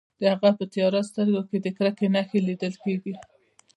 د هغه په تیاره سترګو کې د کرکې نښې لیدل کیدې